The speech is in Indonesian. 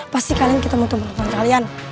pasti kalian kita mau temen temen kalian